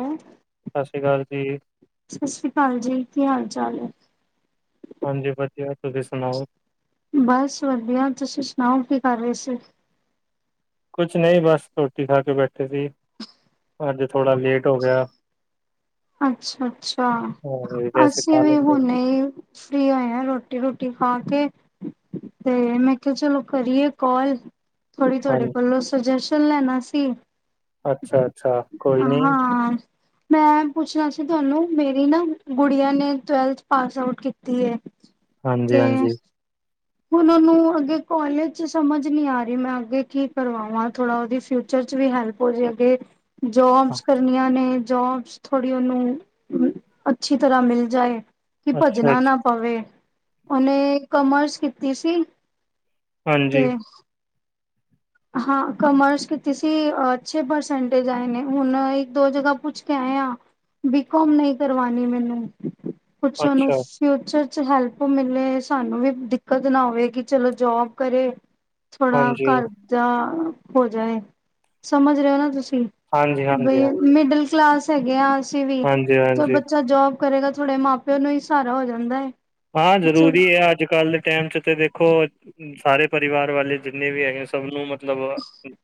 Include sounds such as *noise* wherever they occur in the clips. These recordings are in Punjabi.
ਹੈਂ। ਸਤਿ ਸ਼੍ਰੀ ਅਕਾਲ ਜੀ। ਸਤਿ ਸ਼੍ਰੀ ਅਕਾਲ ਜੀ। ਕੀ ਹਾਲ -ਚਾਲ ਹੈ? ਹਾਂਜੀ ਵਧੀਆ। ਤੁਸੀਂ ਸੁਣਾਓ? ਬਸ ਵਧੀਆ। ਤੁਸੀਂ ਸੁਣਾਓ ਕੀ ਕਰ ਰਹੇ ਸੀ? ਕੁਛ ਨਹੀਂ, ਬਸ ਰੋਟੀ ਖਾ ਕੇ ਬੈਠੇ ਸੀ। ਅੱਜ ਥੋੜਾ ਲੇਟ ਹੋ ਗਿਆ। ਅੱਛਾ- ਅੱਛਾ ਹਾਂ ਵੈਸੇ ਅਸੀਂ ਖਾ ਵੀ ਲੈਂਦੇ, ਹੁਣੇ ਫਰੀ ਹੋਏ ਹਾਂ। ਰੋਟੀ -ਰੁਟੀ ਖਾ ਕੇ ਤੇ ਮੈਂ ਕਿਹਾ, ਚਲੋ ਕਰੀਏ ਕਾਲ ਥੋੜ੍ਹੀ ਤੁਹਾਡੇ ਹਾਂਜੀ ਕੋਲੋਂ ਸੁਜੈਸ਼ਨ ਲੈਣਾ ਸੀ। ਅੱਛਾ -ਅੱਛਾ ਕੋਈ ਨੀ। ਹਾਂ। ਮੈਂ ਪੁੱਛਣਾ ਸੀ। ਤੁਹਾਨੂੰ ਮੇਰੀ ਨਾ ਗੁੜੀਆਂ ਨੇ ਟਵੈਲਥ ਪਾਸ ਆਊਟ ਕੀਤੀ ਹੈ। ਅੱਛਾ। ਹਾਂਜੀ- ਹਾਂਜੀ। ਹੁਣ ਮੈਂਨੂੰ ਅੱਗੇ ਕਾਲੇਜ ਜ ਚ' ਸਮਝ ਨੀ ਆ ਰਹੀ। ਮੈਂ ਅੱਗੇ ਕੀ ਕਰਵਾਵਾਂ ਥੋੜਾ ਉਹਦੀ ਫਿਰ ਚ' ਵੀ ਹੈਲਪ ਹੋ ਜਾਵੇਗੀ। ਅੱਗੇ ਜੋਬਸ ਕਰਨੀਆਂ ਨੇ ਜੋਬਸ ਥੋੜ੍ਹੀ ਉਹਨੂੰ ਅੱਛੀ ਤਰ੍ਹਾਂ ਮਿਲ ਜਾਏ। ਕਿ ਭਜਨਾਂ ਨਾ ਅੱਛਾ-ਅੱਛਾ ਪਵੇ ਉਹ ਓਨੇ ਕਮਰਸ ਕੀਤੀ ਸੀ। ਹਾਂਜੀ। ਤੇ ਹਾਂ ਕਮਰਸ ਕੀਤੀ ਸੀ। ਅੱਛੇ ਪਰਸੈੰਟੇਜ ਆਏ ਨੇ। ਹੁਣ ਇੱਕ- ਦੋ ਜਗਾਂ ਪੁਛ ਕੇ ਆਏ ਆ। ਬੀ ਕਾਮ ਨਹੀਂ ਕਰਵਾਣੀ ਮੈਨੂੰ, ਪੁੱਛਿਆ ਨਹੀਂ। ਅੱਛਾ ਫਿਊਚਰ ਚ' ਹੈਲਪ ਮਿਲੇ। ਸਾਨੂੰ ਵੀ ਦਿੱਕਤ ਨਾ ਹੋਵੇ ਕਿ ਚਲੋ ਜੋਬ ਕਰੇ। ਥੋੜ੍ਹਾ ਹਾਂਜੀ। ਘਰ ਦਾ ਹੋ ਜਾਏ। ਸਮਝ ਰਹੇ ਹੋ ਨਾ ਤੁਸੀਂ। ਹਾਂਜੀ-ਹਾਂਜੀ, ਬਈ ਹਾਂਜੀ, ਮਿਡਲ ਕਲਾਸ ਹੈਗੇ ਆ ਅਸੀਂ ਵੀ। ਜੋ ਹਾਂਜੀ-ਹਾਂਜੀ। ਬੱਚਾ ਜੋਬ। ਕਰੋਗੇ। ਤੁਹਾਡੇ ਮਾਂ- ਪਿਓ ਨੂੰ ਹੀ ਸਹਾਰਾ ਹੋ ਜਾਂਦਾ ਹੈਏ। ਹਾਂ, ਜ਼ਰੂਰੀ ਹੈ ਅੱਜ ਕੱਲ੍ਹ ਦੇ ਟਾਈਮ ਚੱ ਤੇ ਦੇਖੋ। ਸਾਰੇ ਪਰਿਵਾਰ ਵਾਲੇ ਜਿੰਨੇ ਵੀ ਹੈਗੇ ਸਭ ਨੂੰ ਮੱਤਲਬ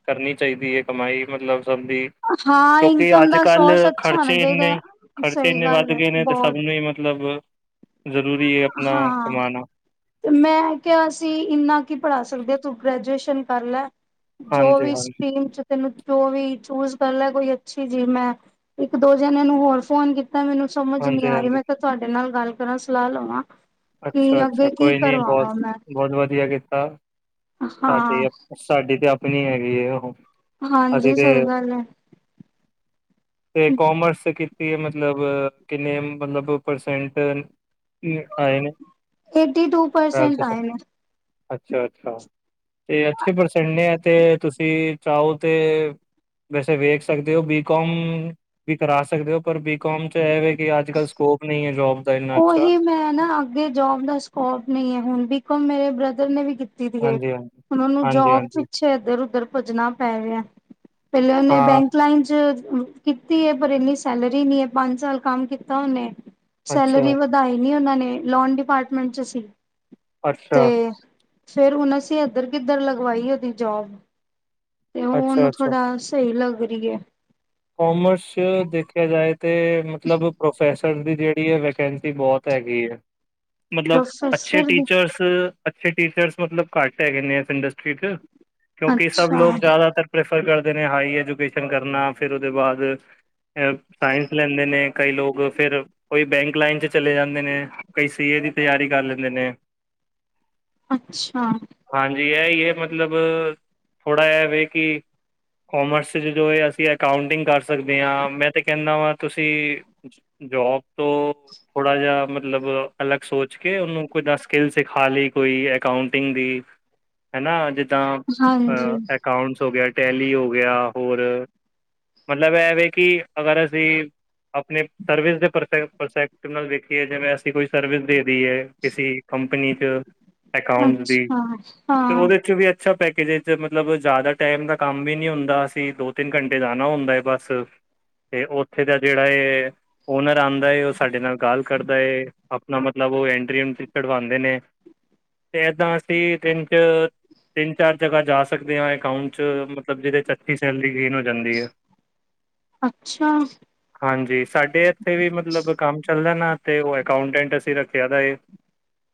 ਕਰਨੀ ਚਾਹੀਦੀ ਹੈ ਕਮਾਈ, ਮਤਲੱਬ ਸਭ ਦੀ। ਹਾਂ ਕਿਉਂਕਿ ਇਨਕਮ ਅੱਜ ਦਾ ਸੋਰਸ ਕੱਲ੍ਹ ਅੱਛਾ ਹੋਣਾ ਖ਼ਰਚੇ ਚਾਹੀਦਾ ਇੰਨੇ ਹੈ ਖਰਚੇ ਸਹੀ ਇੰਨੇ ਗੱਲ ਵੱਧ ਹੈ ਗਏ ਨੇ। ਤੇ ਸਭ ਬਹੁਤ ਨੂੰ ਹੀ ਮੱਤਲਬ ਹਾਂ। ਤੇ ਮੈਂ ਕਿਹਾ ਸੀ ਇੰਨਾ ਕੀ ਪੜ੍ਹਾ ਸਕਦੇ ਤੂੰ ਗ੍ਰੈਜੂਏਸ਼ਨ ਕਰ ਲੈ। ਜੋ ਹਾਂਜੀ ਵੀ ਹਾਂਜੀ ਸਟਰੀਮ ਚ' ਤੈਨੂੰ ਜੋ ਵੀ ਚੂਜ ਕਰ ਲੈ ਕੋਈ ਅੱਛੀ ਜੀ। ਮੈਂ ਇੱਕ- ਦੋ ਜਾਣੇ ਨੂੰ ਹੋਰ ਫੋਨ ਕੀਤਾ। ਤਾਂ ਮੈਨੂੰ ਸਮਝ ਨੀ ਹਾਂਜੀ ਆਈ ਹਾਂਜੀ ਮੈਂ ਤਾਂ ਤੁਹਾਡੇ ਨਾਲ ਗੱਲ ਕਰਾਂ। ਸਲਾਹ ਲਵਾਂ। ਅੱਛਾ ਕੀ ਅੱਛਾ ਅੱਗੇ ਕੀ ਕੋਈ ਨੀ ਬਹੁਤ ਕਰਵਾਵਾਂ ਮੈਂ। ਬਹੁਤ ਵਧੀਆ ਕੀਤਾ। ਸਾਡੀ ਹਾਂ। ਸਾਡੀ ਤੇ ਆਪਣੀ ਹੈਗੀ ਹੈ ਉਹ ਹਾਂਜੀ ਅਸੀਂ ਤੇ ਸਹੀ ਗੱਲ ਹੈ, *unintelligible* ਅਤੇ ਕਾਮਰਸ ਕੀਤੀ। ਮੱਤਲਬ, ਕਿੰਨੇ ਮੱਤਲਬ ਪਰਸੈਂਟ। ਆ *unintelligible* ਏਟੀ ਟੂ ਪਰਸੈਂਟ ਆਏ ਨੇ। ਅੱਛਾ ਅੱਛਾ ਤੇ ਅਸੀ ਪਰਸੰ ਆ। ਤੇ ਤੁਸੀਂ ਚਾਹੋ ਤੇ ਵੈਸੇ ਵੇਖ ਸਕਦੇ ਹੋ ਬੀਕਾਮ ਵੀ ਕਰਾ ਸਕਦੇ ਹੋ। ਪਰ ਬੀਕਾਮ ਚੱ ਇਹਵੇ ਅੱਜ ਕੱਲ੍ਹ ਸਕੋਪ ਨਹੀਂ ਹੈ ਜੋਬ ਦਾ ਇੰਨਾ ਅੱਛਾ। ਉਹੀ ਮੈਂ ਨਾ ਅੱਗੇ ਜੋਬ ਦਾ ਸਕੋਪ ਨਹੀਂ ਹੈ। ਹੁਣ, ਬੀਕਾਮ ਮੇਰੇ ਬ੍ਰਦਰ ਨੇ ਵੀ ਕੀਤੀ। ਕੀਤੀ ਹੈ ਹਾਂਜੀ ਹਾਂਜੀ ਉਹਨਾਂ ਨੂੰ ਹਾਂਜੀ ਜੋਬ ਹਾਂਜੀ ਵਿੱਚ ਇੱਧਰ ਉਧਰ ਭੱਜਣਾਂ ਪੈ ਰਿਹਾ ਪਹਿਲੇ ਉਹਨੇ ਹਾਂ ਬੈਂਕ ਲਾਈਨ ਚੱ ਕੀਤੀ ਹੈ ਪਰ ਇੰਨੀ ਸੈਲਰੀ ਨੀ ਹੈ ਪੰਜ ਸਾਲ ਕੰਮ ਕੀਤਾ ਉਹਨੇ ਅੱਛਾ ਸੈਲਰੀ ਵਧਾਈ ਨੀ ਉਹਨਾਂ ਨੇ ਲੋਨ ਡਿਪਾਰਟਮੈਂਟ ਚ ਸੀ ਅੱਛਾ ਤੇ ਫਿਰ ਹੁਣ ਅਸੀ ਇੱਧਰ ਕਿੱਧਰ ਲਗਵਾਈ ਉਹਦੀ ਜੋਬ ਤੇ ਹੁਣ ਅੱਛਾ ਅੱਛਾ ਥੋੜਾ ਸਹੀ ਲੱਗ ਰਹੀ ਹੈ ਕਾਮਰਸ ਚ ਦੇਖਿਆ ਜਾਏ ਤੇ ਮੱਤਲਬ ਪ੍ਰੋਫੈਸ ਦੀ ਜਿਹੜੀ ਹੈ ਵਕੇਂਸੀ ਬਹੁਤ ਹੈਗੀ ਹੈ ਮੱਤਲਬ ਅੱਛੇ ਪ੍ਰੋਫੈਸਰ ਦੇ ਟੀਚਰਸ ਅੱਛੇ ਟੀਚਰਸ ਮਤਲਬ ਘੱਟ ਹੈਗੇ ਨੇ ਇਸ ਇੰਡਸਟਰੀ ਚ ਕਿਉਂਕਿ ਸਭ ਲੋਕ ਅੱਛਾ-ਅੱਛਾ ਜ਼ਿਆਦਾਤਰ ਪ੍ਰੈਫਰ ਕਰਦੇ ਨੇ ਹਾਈ ਐਜੂਕੇਸ਼ਨ ਕਰਨਾ ਫਿਰ ਉਹਦੇ ਬਾਅਦ ਸਾਇੰਸ ਲੈਂਦੇ ਨੇ ਕਈ ਲੋਕ ਫੇਿਰ ਕੋਈ ਬੈਂਕ ਲਾਈਨ ਚ ਚਲੇ ਜਾਂਦੇ ਨੇ ਕਈ ਸੀਏ ਦੀ ਤਿਆਰੀ ਕਰ ਲੈਂਦੇ ਨੇ ਅੱਛਾ ਹਾਂਜੀ ਇਹ ਹੈ ਮਤਲਬ ਥੋੜ੍ਹਾ ਇਹ ਵ ਕਿ ਕੋਮਰਸ ਜੋ ਅਸੀਂ ਅਕਾਊਂਟਿੰਗ ਕਰ ਸਕਦੇ ਹਾਂ ਮੈਂ ਤੇ ਕਹਿੰਦਾ ਵਾਂ ਤੁਸੀਂ ਜੋੌਬ ਤੋਂ ਥੋੜ੍ਹਾ ਜਿਹਾ ਮਤਲਬ ਅਲੱਗ ਸੋਚ ਕੇ ਉਹਨੂੰ ਕੋੱਦਾਂ ਸਕਿੱਲ ਸਿਖਾ ਲਈ ਕੋਈ ਅਕਾਊਂਟਿੰਗ ਦੀ ਹਮ ਹਨਾ ਜਿੱਦਾਂ ਅ ਅਕਾਊਂਟਸ ਹੋ ਗਿਆ ਟੈਲੀ ਹੋ ਗਿਆ ਹੋਰ ਮਤਲਬ ਇਹਵੇ ਕਿ ਅਗਰ ਅਸੀਂ ਆਪਣੇ ਸਰਵਿਸ ਦੇ ਪਰ ਪਰਸੈਕਟਿ ਨਾਲ ਵੇਖੀਏ ਜਿਵੇਂ ਅਸੀਂ ਕੋਈ ਸਰਵਿਸ ਦੇ ਦੀਏ ਕਿਸੇ ਕੰਪਨੀ ਚ ਅਕਾਊਟ ਦੀ ਅੱਛਾ ਤੇ ਹਾਂ ਉਹਦੇ ਚ ਵੀ ਅੱਛਾ ਪੈਕੇਜ ਮੱਤਲਬ ਜ਼ਿਆਦਾ ਟਾਈਮ ਦਾ ਕੰਮ ਵੀ ਨੀ ਹੁੰਦਾ ਅਸੀਂ ਦੋ ਤਿੰਨ ਘੰਟੇ ਉਥੇ ਜਾਨਾ ਹੁੰਦਾ ਬਸ ਤੇ ਉੱਥੇ ਦਾ ਜਿਹੜਾ ਹੈ ਓਨਰ ਆਉਂਦਾ ਉਹ ਸਾਡੇ ਨਾਲ ਗੱਲ ਕਰਦਾ ਏ ਆਪਣਾ ਮੱਤਲਬ ਉਹ ਐਂਟਰੀ ਚੜਵਾਉਂਦੇ ਨੇ ਤੇ ਇਦਾਂ ਅਸੀਂ ਦਿਨ ਚੱ ਤਿੰਨ ਚਾਰ ਜਗ੍ਹਾ ਜਾ ਸਕਦੇ ਹਾਂ ਅਕਾਊਂਟ ਚ ਮੱਤਲਬ ਜਿਹਦੇ ਚ ਅੱਛੀ ਸੈਲਰੀ ਗੇਨ ਜਾਂਦੀ ਹੈ ਅੱਛਾ-ਅੱਛਾ ਹਾਂਜੀ ਸਾਡੇ ਇੱਥੇ ਵੀ ਮਤਲਬ ਕੰਮ ਚੱਲਦਾ ਨਾ ਤੇ ਉਹ ਅਕਾਂਟੈਂਟ ਅਸੀਂ ਰੱਖਿਆ ਦਾ ਇਹ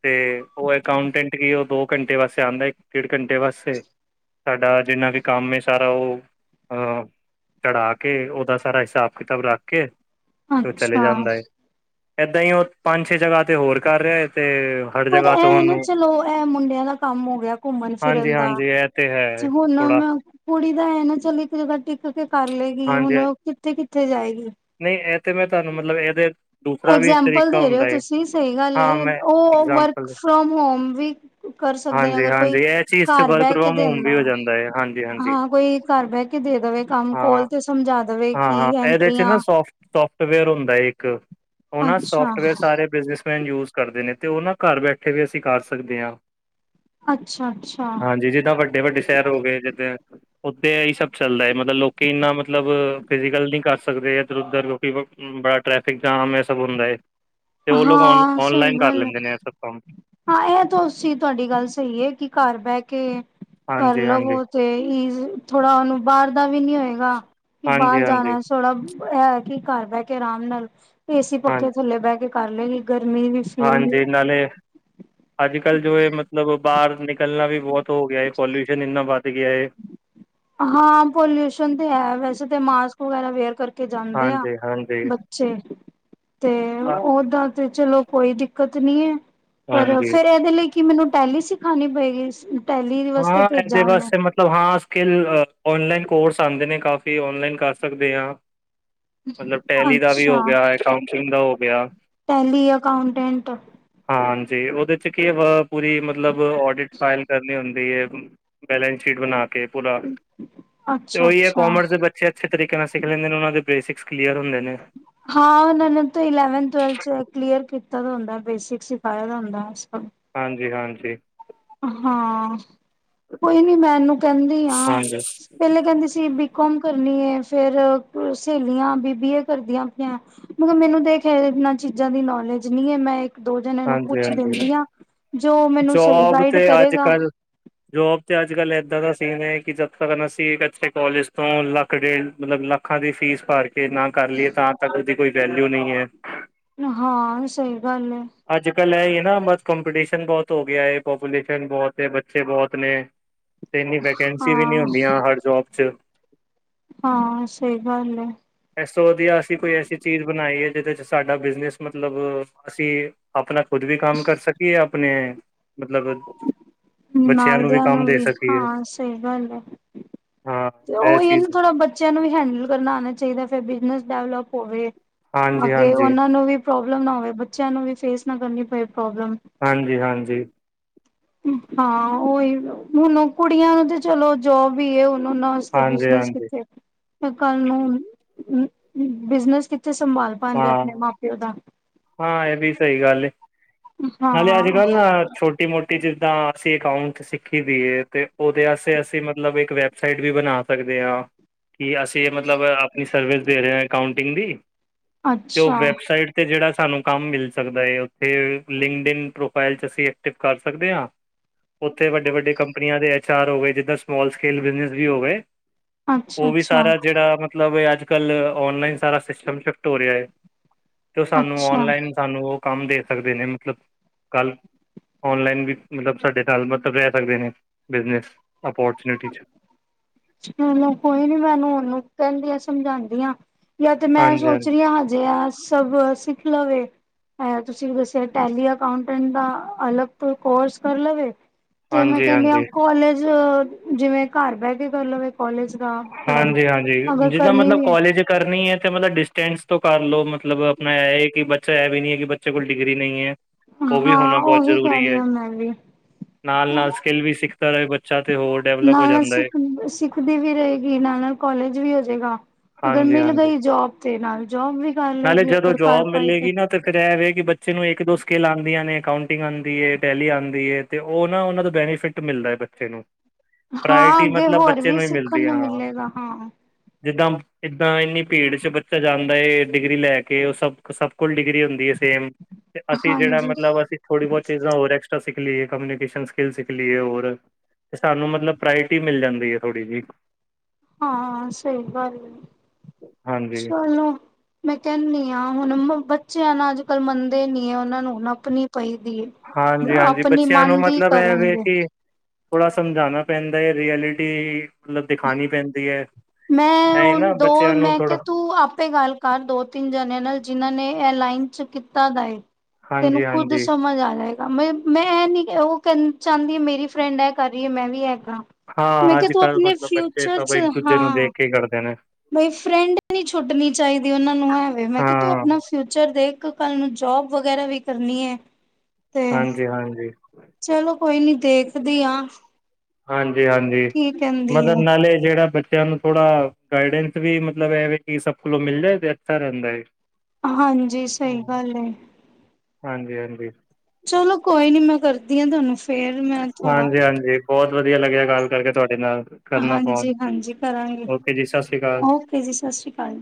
ਤੇ ਉਹ ਅਕਾਉਂਟੈਂਟ ਹੀ ਉਹ ਦੋ ਘੰਟੇ ਵਾਸਤੇ ਆਉਂਦਾ ਇੱਕ ਡੇਢ ਘੰਟੇ ਵਾਸਤੇ ਸਾਡਾ ਜਿੰਨਾ ਵੀ ਕੰਮ ਸਾਰਾ ਉਹ ਅ ਚੜਾ ਕੇ ਉਹਦਾ ਸਾਰਾ ਹਿਸਾਬ ਕਿਤਾਬ ਰੱਖ ਕੇ ਤੇ ਉਹ ਚਲੇ ਜਾਂਦਾ ਹੈ ਏਦਾਂ ਹੀ ਉਹ ਪੰਜ ਛੇ ਜਗ੍ਹਾ ਤੇ ਹੋਰ ਕਰ ਰਿਹਾ ਹੈ ਤੇ ਹਰ ਪਰ ਜਗ੍ਹਾ ਤੋਂ ਇਹ ਨਾ ਉਹਨੂੰ ਚਲੋ ਇਹ ਮੁੰਡਿਆਂ ਦਾ ਕੰਮ ਹੋ ਗਿਆ ਘੁੰਮਣ ਫਿਰਨ ਹਾਂਜੀ ਇਹ ਤੇ ਹੈ ਅੱ ਹੋਣ ਥੋੜਾ ਮੈਂ ਕੁੜੀ ਦਾ ਇਹ ਨਾ ਚੱਲ ਇੱਕ ਜਗ੍ਹਾ ਟਿੱਕ ਕੇ ਕਰ ਲਏਗੀ ਹਾਂਜੀ ਹੁਣ ਕਿੱਥੇ ਕਿੱਥੇ ਜਾਏਗੀ ਨਹੀਂ ਇਹ ਤੇ ਮੈਂ ਤੁਹਾਨੂੰ ਮਤਲਬ ਇਹਦੇ ਦੂਸਰਾ ਵੀ ਇੱਕ ਐਗਜਾਮਪਲ ਤਰੀਕਾ ਦੇ ਰਹੇ ਹੋ ਹੁੰਦਾ ਏ ਤੁਸੀਂ ਸਹੀ ਗੱਲ ਹੈ ਹਾਂ ਮੈਂ ਉਹ ਵਰਕ ਇਗਜਾਮਪਲ ਫਰੋਮ ਹੋਮ ਵੀ ਕਰ ਸਕਦੇ ਨੇ ਅਗਰ ਕੋਈ ਹਾਂਜੀ-ਹਾਂਜੀ ਇਹ ਚੀਜ਼ 'ਚ ਘਰ ਵਰਕ ਬਹਿ ਕੇ ਫਰੋਮ ਹੋਮ ਦਿੰਦਾ ਵੀ ਹੋ ਜਾਂਦਾ ਹੈ ਹਾਂਜੀ-ਹਾਂਜੀ ਹਾਂ ਕੋਈ ਘਰ ਬਹਿ ਕੇ ਕੇ ਦੇ ਦੇਵੇ ਕੰਮ ਹਾਂ। ਕੋਲ ਤੇ ਸਮਝਾ ਦੇਵੇ ਕੀ ਹਾਂ-ਹਾਂ ਇਹਦੇ 'ਚ ਨਾ ਐਂਟਰੀਆਂ ਸੋਫਟ ਸੋਫਟਵੇਅਰ ਹੁੰਦਾ ਇੱਕ ਉਹ ਨਾ ਅੱਛਾ ਸੋਫਟਵੇਅਰ ਸਾਰੇ ਬਿਜਨਸਮੈਨ ਯੂਜ ਕਰਦੇ ਨੇ ਤੇ ਉਹ ਨਾ ਘਰ ਬੈਠੇ ਵੀ ਅਸੀਂ ਕਰ ਸਕਦੇ ਹਾਂ ਅੱਛਾ-ਅੱਛਾ, ਹਾਂਜੀ ਜਿੱਦਾਂ ਵੱਡੇ ਵੱਡੇ ਸ਼ਹਿਰ ਹੋ ਗਏ ਜਿੱਦਾਂ ਉਓਦੇ ਇਹੀ ਸਭ ਚਲਦਾ ਹੈ ਮਤਲਬ ਲੋਕੀ ਇੰਨਾ ਮਤਲਬ ਫਿਜੀਕਲ ਨਹੀਂ ਕਰ ਸਕਦੇ ਇੱਧਰ ਉੱਧਰ ਕਿਉਂਕਿ ਬੜਾ ਟ੍ਰੈਫਿਕ ਜਾਮ ਹੈ ਸਭ ਹੁੰਦਾ ਤੇ ਉਹ ਲੋਕ ਹਾਂ ਸਹੀ ਔਨਲਾਈਨ ਕਰ ਗੱਲ ਐ। ਲੈਂਦੇ ਨੇ ਸਭ ਕੰਮ ਹਾਂ ਇਹ ਤਾਂ ਅ ਤੁਹਾਡੀ ਗੱਲ ਸਹੀ ਹੈ ਕਿ ਘਰ ਬਹਿ ਕੇ ਹਾਂਜੀ-ਹਾਂਜੀ, ਕਰਲਵੋ ਤੇ ਥੋੜਾ ਉਹਨੂੰ ਬਾਹਰ ਦਾ ਵੀ ਨੀ ਹੋਏਗਾ ਕਿ ਬਾਹਰ ਹਾਂਜੀ-ਹਾਂਜੀ, ਜਾਣਾ ਥੋੜ੍ਹਾ ਹੈ ਕਿ ਘਰ ਬਹਿ ਕੇ ਆਰਾਮ ਨਾਲ ਏਸੀ ਪੱਖੇ ਥੱਲੇ ਬਹਿ ਕੇ ਕਰ ਲਏਗੀ ਗਰਮੀ ਵੀ ਫੀਲ ਨੀ ਹਾਂਜੀ ਹੋਗੀ। ਨਾਲੇ *inaudible* ਅੱਜ ਕੱਲ੍ਹ ਜੋ ਹੈ ਮਤਲਬ ਬਾਹਰ ਨਿਕਲਣਾ ਵੀ ਬਹੁਤ ਹੋ ਗਿਆ ਹੈ ਪੋਲਿਊਸ਼ਨ ਇੰਨਾ ਵੱਧ ਗਿਆ ਹੈ ਹਾਂ ਪੋਲਿਊਸ਼ਨ ਤੇ ਹੈ ਵੈਸੇ ਤਾਂ ਮਾਸਕ ਵਗੈਰਾ ਵੇਅਰ ਕਰਕੇ ਕੇ ਜਾਂਦੇ ਆ ਬੱਚੇ ਤੇ ਉਹਦਾ ਤੇ ਚਲੋ ਕੋਈ ਦਿੱਕਤ ਨੀ ਹੈ ਪਰ ਫੇਰ ਇਹਦੇ ਲਈ ਕਿ ਮੈਨੂੰ ਟੈਲੀ ਸਿਖਾਉਣੀ ਪਏਗੀ ਟੈਲੀ ਵਾਸਤੇ ਹਾਂ, ਭੇਜਾ ਇਹਦੇ ਉਹਨੂੰ ਵਾਸਤੇ ਮਤਲਬ ਹਾਂ ਸਕਲ ਔਨਲਾਈਨ ਕੋਰਸ ਆਉਂਦੇ ਨੇ ਕਾਫੀ ਔਨਲਾਈਨ ਕਰ ਸਕਦੇ ਹਾਂ ਮਤਲਬ ਟੈਲੀ ਦਾ ਵੀ ਅੱਛਾ ਹੋ ਗਿਆ ਅਉਟਿੰਗ ਦਾ ਹੋ ਗਿਆ ਟੈਲੀ ਅਕਾਊਂਟੈਂਟ ਹਾਂਾਂਜੀ ਉਹਦੇ ਚ ਕੀ ਵ ਪੂਰੀ ਮਤਲਬ ਡਿਟ ਫਾਇਲ ਕਰ ਦੀ ਹੈ ਬੈਲੇੈਂਸ ਸ਼ੀਟ ਬਣਾ ਕੇ ਪੂਰਾ ਤੇ ਅੱਛਾ ਉਹੀ ਹੈ, ਅੱਛਾ ਕੋਮਰਸ ਦੇ ਬੱਚੇ ਅੱਛੇ, ਅੱਛੇ ਤਰੀਕੇ ਨਾਲ ਸਿੱਖ ਲੈਂਦੇ ਨੇ ਉਹਨਾਂ ਦੇ ਬੇਸਿਕਸ ਕਲੀਅਰ ਹੁੰਦੇ ਨੇ। ਹਾਂ ਉਹ ਨੇ ਇਲੇਵਥ ਕਲੀਅਰ ਕੀਤਾ ਹੁੰਦਾ, ਬੇਸਿਕ ਸਿਖਾਇਆ ਹੁੰਦਾ। ਅਛਾ ਹਾਂਜੀ, ਹਾਂਜੀ ਹਾਂ ਕੋਈ ਨੀ ਮੈਨੂੰ ਕਹਿੰਦੀ ਆ ਹਾਂਜੀ, ਪਹਿਲੇ ਕਹਿੰਦੀ ਸੀ। ਕਮ ਕਰਨੀ ਹੈ, ਫੇਰ ਸਹੇਲੀਆਂ ਬੀਬੀਏ ਕਰਦੀਆਂ ਪਈਆਂ। ਮਤਬ ਮੈਨੂੰ ਦੇਖਿਆ ਇਹਨਾਂ ਚੀਜ਼ਾਂ ਦੀ ਨੌਲੇਜ ਨਹੀਂ ਹੈ ਮੈਂ ਇਕ ਦੋ ਜਣੇ ਨੂੰ ਹਾਂਜੀ, ਪੁੱਛ ਹਾਂਜੀ। ਦਿੰਦੀ ਆ ਜੋ ਮੈਨੂੰ ਸਹੀ ਜੋਬ ਗਾਈਡ ਤੇ ਅੱਜ ਕਰੇਗਾ ਕੱਲ੍ਹ ਜੋਬ ਤੇ ਅੱਜ ਕੱਲ ਇਏਦਾਂ ਦਾ ਸੀਨ ਹੈ, ਕਿ ਜਦ ਤਕਨ ਅਸੀ ਇਥੇ ਕਾਲਜ ਤੋਂ ਲੱਖ ਡੇਢ ਮਤਲਬ ਲੱਖ ਅੱਖਾਂ ਦੀ ਫੀਸ ਭਰ ਕੇ ਨਾ ਕਰ ਲਈਏ ਤਾਂ ਤੱਕ ਉਹਦੀ ਕੋਈ ਵੈਲਿਊ ਨਹੀਂ ਹੈ ਹਾਂ ਸਹੀ ਗੱਲ ਹੈ ਅੱਜ ਕੱਲ੍ਹ ਇਹ ਹੀ ਨਾ ਬਸ ਕੰਪੀਟੀਸ਼ਨ ਬਹੁਤ ਹੋ ਗਿਆ ਹੈ ਪਪੂਲੇਸ਼ਨ ਬਹੁਤ ਬੱਚੇ ਬਹੁਤ ਨੇ *inaudible* ਤੇ ਇੰਨੀ ਵੈਕੈਂਸੀ ਵੀ ਨਹੀਂ ਹਾਂ। ਹੁੰਦੀਆਂ ਹਰ ਜੋਬ ਚ- ਹਾਂ ਸਹੀ ਗੱਲ ਹੈ। ਇਸ ਤੋ ਵਧੀਆ ਅਸੀਂ ਕੋਈ ਐਸੀ ਚੀਜ਼ ਬਣਾਈ ਹੈ, ਜਿਹਦੇ ਚ ਸਾਡਾ ਬਿਜਨਸ ਮਤਲਬ ਅਸੀਂ ਆਪਣਾ ਖੁਦ ਵੀ ਕੰਮ ਕਰ ਸਕੀਏ ਆਪਣੇ ਮਤਲਬ ਬੱਚਿਆਂ ਨਾਲਦਿਆਂ ਨੂੰ ਕੰਮ ਦੇ ਵੀ ਸਕੀਏ ਹਾਂ ਸਹੀ ਗੱਲ ਹੈ। ਹਾਂ ਤੇ ਇਹ ਉਹੀ ਹੈ ਨਾ ਚੀਜ਼ ਥੋੜਾ ਬੱਚਾ ਬੱਚਿਆਂ ਨੂੰ ਵੀ ਹੈਂਡਲ ਕਰਨਾ ਆਉਣਾ ਚਾਹੀਦਾ। ਫਿਰ ਬਿਜਨਸ ਡੈਵਲਪ ਹੋਵੇ ਹਾਂਜੀ ਅੱਗੇ ਹਾਂਜੀ ਉਹਨਾਂ ਨੂੰ ਵੀ ਪ੍ਰੋਬਲਮ ਨਾ ਹੋਵੇ ਬੱਚਿਆਂ ਨੂੰ ਵੀ ਫੇਸ ਨਾ ਕਰਨੀ ਪਏ ਪ੍ਰੋਬਲਮ ਹਾਂਜੀ, ਹਾਂਜੀ ਹਾਂ ਉਹੀ ਹੁਣ ਕੁੜੀਆਂ ਨੂੰ ਤੇ ਚਲੋ ਜੋਬ ਹੀ ਹੁਣ ਉਹਨਾਂ ਹਾਂਜੀ, ਬਿਜਨੇਸ ਹਾਂਜੀ, ਕਿਥੇ ਫੇਰ ਕੱਲ ਨੂੰ ਬਿਜਨਸ ਕਿੱਥੇ ਸੰਭਾਲ ਪਾਉਣਗੇ ਹਾਂ, ਆਪਣੇ ਮਾਂ ਪਿਓ ਦਾ ਹਾਂ ਇਹ ਵੀ ਸਹੀ ਗਾਲ ਹੈ, ਨਾਲੇ ਹਾਂ ਆਜ ਕਾਲ ਨਾ ਛੋਟੀ ਮੋਟੀ ਜਿੱਦਾਂ ਅਸੀਂ ਅਕਾਊਂਟ ਸਿੱਖੀ ਹੋਈ ਏ ਤੇ ਉਹਦੇ ਵਸਤੇ ਅਸੀਂ ਮਤਲਬ ਇੱਕ ਵੈਬਸਾਈਟ ਵੀ ਬਣਾ। ਸਕਦੇ ਹਾਂ। ਕੀ ਅਸੀਂ ਮਤਲਬ ਆਪਣੀ ਸਰਵਿਸ ਦੇ ਰਹੇ ਹ ਅਉਟਿੰਗ ਦੀ ਤੇ ਉਹ ਅੱਛਾ ਵੈਬਸਾਈਟ ਤੇ ਜਿਹੜਾ ਸਾਨੂੰ ਕੰਮ ਮਿਲ ਸਕਦਾ ਹੈ, ਉੱਥੇ ਲਿੰਕਡ ਇਨ ਪ੍ਰੋਫਾਈਲ 'ਚ ਅਸੀਂ ਐਕਟਿਵ ਕਰ ਸਕਦੇ ਹਾਂ। ਉੱਥੇ ਵੱਡੇ, ਵੱਡੇ ਕੰਪਨੀਆਂ ਦੇ ਐਚ ਆਰ ਹੋਵੇ ਜਿੱਦਾਂ ਸਮੋਲ ਸਕੇਲ ਬਿਜਨੇਸ ਵੀ ਹੋਗੇ। ਅੱਛਾ ਓਹ ਵੀ ਅੱਛਾ ਸਾਰਾ ਜੇੜਾ ਮਤ ਮਤਲਬ ਅੱਜ-ਕੱਲ ਔਨਲਾਈਨ ਸਾਰਾ ਸਿਸਟਮ ਸ਼ਿਫਟ ਹੋ ਰਿਐ ਏ ਤੇ ਔ ਸਾਨੂੰ ਅੱਛਾ ਔਨਲਾਈਨ ਸਾਨੂੰ ਓਹ ਕੰਮ ਦੇ ਸਕਦੇ ਨੇ ਮਤਲਬ ਕੱਲ ਔਨਲਾਈਨ ਵੀ ਮਲਬ ਸਾਡੇ ਨਾਲ ਮਤਲਬ ਰੈ ਸਕਦੇ ਨੇ ਬਿਜਨਸ ਅੋਪੌਰਚੂਨਿਟੀ ਚ। ਚਲੋ ਕੋਈ ਨੀ ਮੈਨੂੰ ਔਹਨੂੰ ਕੈੰਦੀ ਆਂ ਸਮਝਾਦੀ ਆਂ। ਯਾਤੇ ਮੈਂ ਹਾਂਜੀ ਸੋਚ ਹਾਂਜੀ ਰੀ ਆ ਹਜੇ ਆ ਸਭ ਸਿੱਖ ਲਵੇ। ਆ ਤੁਸੀਂ ਵੀ ਦੱਸਿਆ ਟੈਲੀ ਅਕਾਉਂਟੈਂਟ ਦਾ ਅਲੱਗ ਤੋਂ ਕੋਰਸ ਕਰ ਲਵੇ। ਤੇ ਮੈਂ ਹਾਂਜੀ ਕੈੰਦੀ ਆ ਹਾਂਜੀ ਕੋਲਜ ਜਿਵੇਂ ਘਰ ਬੈ ਕੇ ਕਰ ਲਵੇ ਕੋਲਜ ਦਾ। ਪੜ੍ਹਾਈ ਹਾਂਜੀ ਹਾਂਜੀ, ਅਗਰ ਜਿੱਦਾਂ ਕਰਨੀ ਮਤਲਬ ਵੀ ਹੈ ਕੋਲਜ ਕਰਨੀ ਹੈ ਤੇ ਮਤਲਬ ਡਿਸਟੈਂਸ ਤੋਂ ਕਰ ਲੋ ਮਤਲਬ ਅਪਣਾ ਐ ਏ ਕਿ ਬੱਚਾ ਐ ਵੀ ਨੀ ਐ ਕਿ ਬੱਚੇ ਕੋਲ ਡਿਗਰੀ ਨਹੀਂ ਹੈ। ਓਹ ਵੀ ਹਾਂ ਹੋਣਾ ਬਹੁਤ ਉਹੀ ਕਹਿ ਜ਼ਰੂਰੀ ਰਹੀ ਹੈ। ਹਾਂ ਮੈਂ ਵੀ ਨਾਲ ਨਾਲ ਸਕਿੱਲ ਵੀ ਸਿੱਖਦਾ ਰਹੇ ਬੱਚਾ ਤੇ ਹੋਰ ਡੈਵਲਪ ਹੋ ਜਾਂਦਾ ਏ। ਦੀ ਵੀ ਰਹੇਗੀ ਨਾਲ ਨਾਲ ਕੋਲਜ ਵੀ ਹੋ ਜੇਗਾ। ਅਗਰ ਹਾਂਜੀ ਮਿਲ ਹਾਂਜੀ ਗਈ ਜੋਬ ਦੇ ਨਾਲ ਜੋਬ ਵੀ ਕਰ ਲਏਗੀ ਅਗਰ ਕਰ ਪਾਈ ਤੇ ਤਾਂ ਰਹਿ ਕਿ ਬੱਚੇ ਨੂੰ ਇੱਕ ਦੋ ਸਕੀਲ ਆਉਂਦੀਆਂ ਨੇ ਅਕਾਊਂਟਿੰਗ ਆਉਂਦੀ ਹੈ ਟੈਲੀ ਆਉਂਦੀ ਹੈ ਤੇ ਉਹ ਨਾ ਉਹਨਾਂ ਦਾ ਬੈਨੀਫਿਟ ਮਿਲਦਾ ਹੈ ਬੱਚੇ ਨੂੰ ਹਾਂ ਪ੍ਰਾਇਰਟੀ ਅੱਗੇ ਮਤਲਬ ਹੋਰ ਬੱਚੇ ਵੀ ਨੂੰ ਹੀ ਸਿੱਖਣ ਮਿਲਦੀ ਨੂੰ ਹਾਂ ਮਿਲੇਗਾ ਹਾਂ ਜਿੱਦਾਂ ਇਦਾਂ ਇੰਨੀ ਭੀੜ ਚ ਬੱਚਾ ਜਾਂਦਾ ਡਿਗਰੀ ਲੈ ਕੇ ਉਹ ਸਭ ਸਭ ਕੋਲ ਡਿਗਰੀ ਹੁੰਦੀ ਹੈ ਸੇਮ ਅਸੀਂ ਜਿਹੜਾ ਹਾਂਜੀ ਮਤਲਬ ਅਸੀਂ ਥੋੜੀ ਬਹੁਤ ਚੀਜ਼ਾਂ ਹੋਰ ਐਕਸਟਰਾ ਸਿੱਖ ਲਈਏ ਕਮਿਊਨੀਕੇਸ਼ਨ ਸਕ ਸਿੱਖ ਲਈਏ ਹੋਰ ਤੇ ਸਾਨੂੰ ਮਤਲਬ ਪ੍ਰਾਇਰਟੀ ਮਿਲ ਜਾਂਦੀ ਹੈ ਥੋੜ੍ਹੀ ਜਹੀ ਹਾਂ ਸਹੀ ਗੱਲ ਹੈ ਹਾਂਜੀ ਚੱਲੋ ਮੈਂ ਕਹਿੰਦੀ ਹਾਂ ਹੁਣ ਬੱਚਿਆਂ ਨਾਲ ਅੱਜ ਕੱਲ੍ਹ ਮੰਨਦੇ ਨੀ ਹੈ ਉਹਨਾਂ ਨੂੰ ਹੁਣ ਆਪਣੀ ਪਈ ਦੀ ਏ ਹਾਂਜੀ ਹਾਂਜੀ ਆਪਣੀ ਬੱਚਿਆਂ ਨੂੰ ਮਨ ਦੀ ਮਤਲਬ ਇਹਵੇ ਕਰਨਗੇ। ਕਿ ਥੋੜ੍ਹਾ ਸਮਝਾਉਣਾ ਪੈਂਦਾ ਹੈ ਰੀਐਲਿਟੀ ਮਤਲਬ ਦਿਖਾਉਣੀ ਪੈਂਦੀ ਹੈ ਮੈਂ ਐ ਉਹ ਨਾ ਦੋ ਬੱਚਿਆਂ ਨੂੰ ਮੈਂ ਕਿਹਾ ਥੋੜਾ ਤੂੰ ਆਪ ਆਪੇ ਗੱਲ ਕਰ ਦੋ ਤਿੰਨ ਜਣਿਆਂ ਨਾਲ ਜਿਨ੍ਹਾਂ ਨੇ ਲਾਈਨ ਚ ਕੀਤਾ ਦਾਏ ਤੈਨੂੰ ਹਾਂਜੀ ਖੁਦ ਹਾਂਜੀ ਸਮਝ ਆ ਜਾਏ ਰਮੇ ਮੈਂ ਐ ਨੀ ਓਹ ਕੇ ਚਾੰਦੀ ਮੇਰੀ ਫਰੈਂਡ ਐ ਕਰ ਰੀ ਏ ਮੈਂ ਵੀ ਐ ਕਰਾਂ। ਮੈਂ ਹਾਂ ਕਿਆ ਅੱਜ ਤੂੰ ਕੱਲ੍ਹ ਅਪਣੇ ਮਤਲਬ ਬੱਚੇ ਫਿਊਚਰ ਸਭ ਚ ਇੱਕ ਦੂਜੇ ਨੂੰ ਹਾਂ, ਦੇਖ ਕੇ ਕਰਦੇ ਨੇ ਬਈ ਫਰੈਂਡ ਨੀ ਛੁੱਟਣੀ ਚਾਹੀਦੀ ਓਹਨਾਂ ਨੂੰ ਐਵੇਂ ਮੈਂ ਹਾਂ ਕਿਹਾ ਤੂੰ ਅਪਣਾ ਫਿਊਚਰ ਦੇਖ ਕੱਲ ਨੂੰ ਜੋਬ ਵਗੈਰਾ ਵੀ ਕਰਨੀ ਐ। ਹਾਂਜੀ ਹਾਂਜੀ। ਚਲੋ ਕੋਈ ਨੀ ਦੇਖਦੀ ਆਂ। ਹਾਂਜੀ ਹਾਂਜੀ, ਏ। ਮਤਲਬ ਨਾਲੇ ਜੇੜਾ ਾਨੂੰ ਥੋੜ੍ਹਾ ਗਾਈਡੈਂਸ ਵੀ ਮਤਲਬ ਇਹਵੇ ਕਿ ਸਭ ਕੋਲੋਂ ਮਿਲ ਜਾਏ ਤੇ ਅੱਛਾ ਰਹਿੰਦਾ ਹੈ ਹਾਂਜੀ ਸਹੀ ਗੱਲ ਹੈ ਹਾਂਜੀ ਹਾਂਜੀ ਚਲੋ ਕੋਈ ਨੀ ਮੈਂ ਕਰਦੀ ਹਾਂ ਤੁਹਾਨੂੰ ਫੇਰ ਮੈਂ ਥੋੜਾ ਹਾਂਜੀ ਹਾਂਜੀ ਬਹੁਤ ਵਧੀਆ ਲੱਗਿਆ ਗੱਲ ਕਰਕੇ ਤੁਹਾਡੇ ਨਾਲ ਕਰਨਾ ਫੋਨ ਹਾਂਜੀ ਹਾਂਜੀ ਕਰਾਂਗੇ ਓਕੇ ਜੀ ਸਤਿ ਸ਼੍ਰੀ ਅਕਾਲ ਓਕੇ ਜੀ ਸਤਿ ਸ੍ਰੀ ਅਕਾਲ ਜੀ